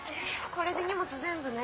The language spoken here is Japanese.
これで荷物全部ね？